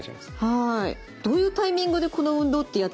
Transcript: はい。